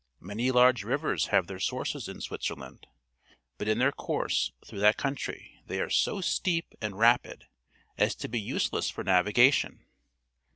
Many large rivers have their sources in Switzerland, but in their course through that country they are so steep and rapid as to be useless for naviga tion.